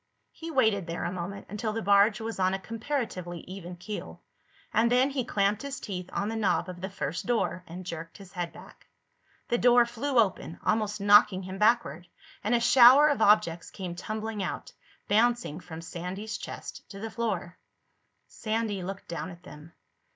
He waited there a moment, until the barge was on a comparatively even keel, and then he clamped his teeth on the knob of the first door and jerked his head back. The door flew open, almost knocking him backward, and a shower of objects came tumbling out, bouncing from Sandy's chest to the floor. Sandy looked down at them.